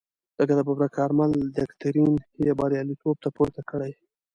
لکه د ببرک کارمل دکترین یې بریالیتوب ته پورته کړی.